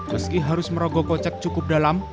meski harus merogoh kocek cukup dalam